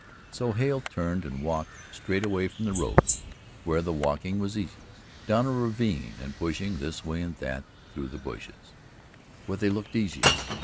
So Hale turned and walked straight away from the road where the walking was easiest down a ravine, and pushing this way and that through the bushes where the way looked easiest.